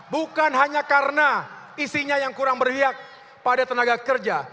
bukan hanya karena isinya yang kurang berhiak pada tenaga kerja